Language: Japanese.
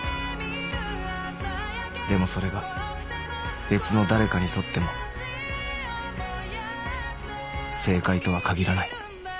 ［でもそれが別の誰かにとっても正解とはかぎらない］